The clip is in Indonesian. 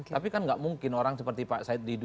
tapi kan gak mungkin orang seperti pak saididu